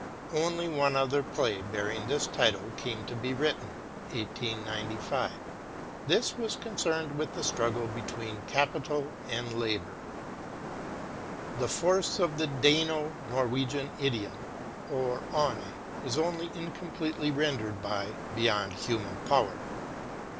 Only one other play bearing this title came to be written (1895), this was concerned with the struggle between Capital and Labor. The force of the Dano Norwegian idiom "over aevne'* is only incompletely rendered by "beyond human power.'